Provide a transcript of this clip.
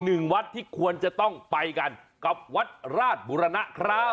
หนึ่งวัดที่ควรจะต้องไปกันกับวัดราชบุรณะครับ